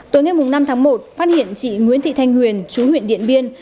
tối ngày năm tháng một phát hiện chị nguyễn thị thanh huyền chú huyện điện biên